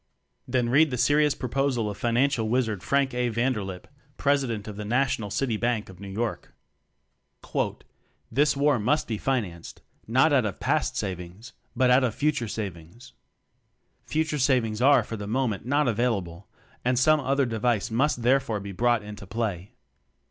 Then read the serious proposal of Financial Wizard Frank A. Vander lip, President of the National City Bank of New York. 'This war must be financed, not out of past savings, but out of future sav ings. Future savings are for the mo ment not available and some other device must therefore be brought into play.